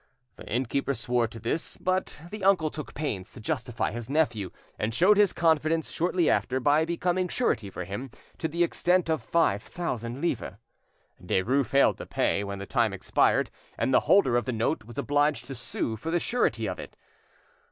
The innkeeper swore to this, but the uncle took pains to justify his nephew, and showed his confidence shortly after by becoming surety for him to the extent of five thousand livres. Derues failed to pay when the time expired, and the holder of the note was obliged to sue the surety for it.